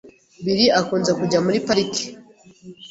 Bill akunze kujya muri parike .